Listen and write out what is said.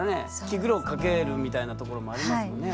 気苦労をかけるみたいなところもありますもんね。